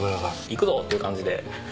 いくぞっていう感じで。